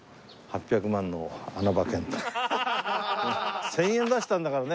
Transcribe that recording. １０００円出したんだからね。